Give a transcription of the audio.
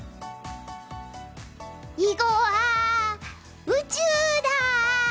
囲碁は宇宙だ！